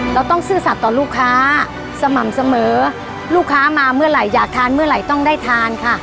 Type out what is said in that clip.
ต้องซื่อสัตว์ต่อลูกค้าสม่ำเสมอลูกค้ามาเมื่อไหร่อยากทานเมื่อไหร่ต้องได้ทานค่ะ